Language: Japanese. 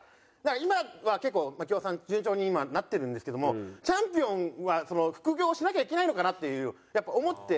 今は結構槙尾さん順調になってるんですけどもチャンピオンは副業しなきゃいけないのかなっていうやっぱ思って。